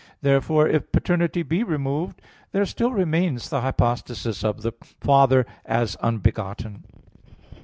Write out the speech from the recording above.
Therefore, if paternity be removed, there still remains the hypostasis of the Father as unbegotten.